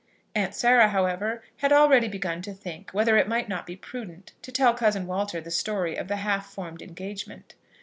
Aunt Sarah, however, had already begun to think whether it might not be prudent to tell cousin Walter the story of the half formed engagement.